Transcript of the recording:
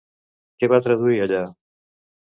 Què va traduir allà?